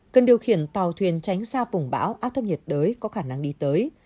cần điều khiển tàu thuyền tránh xa vùng bão áp thấp nhiệt đới có khả năng đi tới